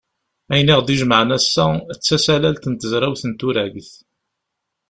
Ayen i aɣ-d-ijemɛen ass-a, d tasalalt n tezrawt n turagt.